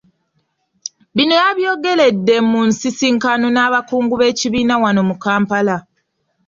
Bino yabyogeredde mu nsisinkano n'abakungu b'ekibiina wano mu Kampala.